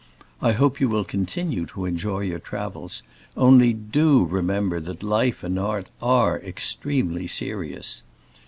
I hope you will continue to enjoy your travels, only do remember that Life and Art are extremely serious.